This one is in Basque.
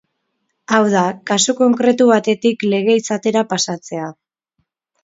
Hau da, kasu konkretu batetik lege izatera pasatzea.